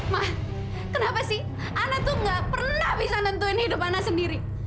ma kenapa sih ana tuh nggak pernah bisa nentuin hidup ana sendiri